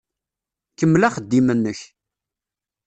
Kemmel axeddim-nnek.